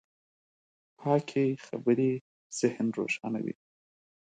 پاکې خبرې ذهن روښانوي.